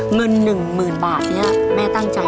เงินหนึ่งหมื่นบาทเดียแม่ตั้งใจ